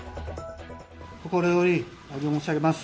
心よりお詫びを申し上げます。